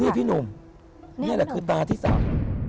นี่พี่หนุ่มนี่แหละคือตาที่สาม